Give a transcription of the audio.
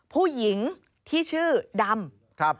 ผู้หญิงที่ชื่อดำ